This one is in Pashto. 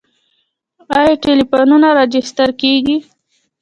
آیا ټلیفونونه راجستر کیږي؟